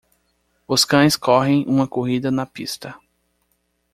Os cães correm uma corrida na pista.